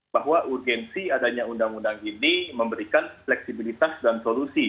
bahwa urgensi adanya undang undang ini memberikan fleksibilitas dan solusi